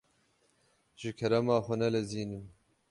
Ji kerema xwe nelezînin.